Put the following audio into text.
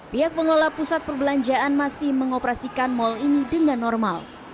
pihak pengelola pusat perbelanjaan masih mengoperasikan mal ini dengan normal